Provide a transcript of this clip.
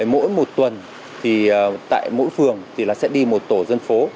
mỗi một tuần tại mỗi phường sẽ đi một tổ dân phố